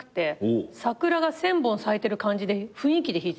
桜が１，０００本咲いてる感じで雰囲気で弾いてたよ。